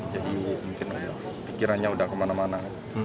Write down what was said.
jadi mungkin pikirannya udah kemana mana